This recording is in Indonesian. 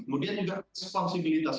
kemudian juga seponsibilitas